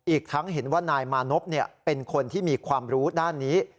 อีกทั้งเห็นว่านายมานพเป็นคนที่มีความรู้ด้านนี้